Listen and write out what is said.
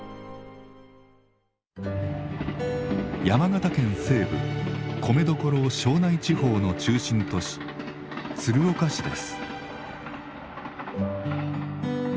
山形県西部米どころ庄内地方の中心都市鶴岡市です。